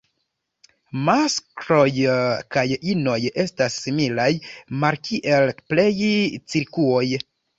Maskloj kaj inoj estas similaj, malkiel plej cirkuoj.